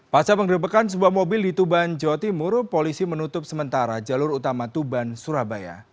pasca pengerebekan sebuah mobil di tuban jawa timur polisi menutup sementara jalur utama tuban surabaya